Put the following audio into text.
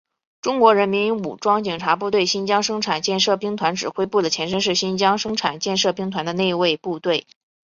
中国人民武装警察部队新疆生产建设兵团指挥部的前身是新疆生产建设兵团的内卫部队。